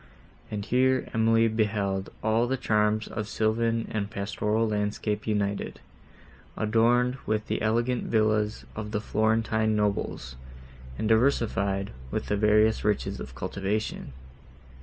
And here Emily beheld all the charms of sylvan and pastoral landscape united, adorned with the elegant villas of the Florentine nobles, and diversified with the various riches of cultivation.